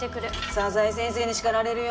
佐々井先生に叱られるよ。